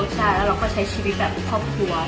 แล้วเราก็ใช้ชีวิตแบบคอบครัว